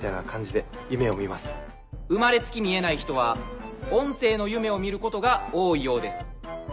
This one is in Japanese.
生まれつき見えない人は音声の夢を見ることが多いようです。